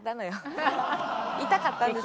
痛かったんです。